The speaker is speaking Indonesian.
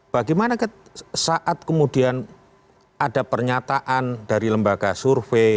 bagaimana saat kemudian ada pernyataan dari lembaga survei